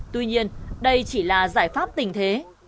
tuy nhiên đây chỉ là giải pháp tình thế